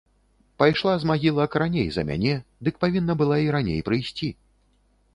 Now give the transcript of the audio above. Пайшла з магілак раней за мяне, дык павінна была і раней прыйсці.